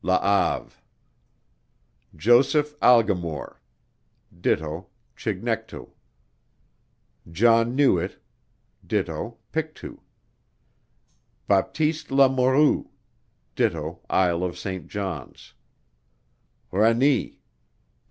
La Have, Joseph Algimoure, do. Chignectou, John Newit, do. Pictou, Baptist La Morue, do. Isle of St. John's, Reni, do.